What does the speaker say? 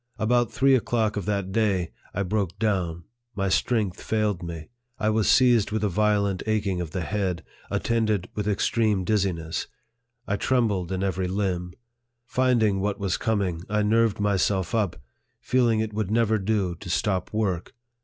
About three o'clock of that day, I broke down ; my strength failed me ; I was seized with a violent aching of the head, attended with extreme diz ziness ; I trembled in every limb. Finding what was coming, I nerved myself up, feeling it would never do to stop work.